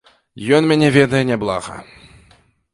Ён мяне ведае няблага.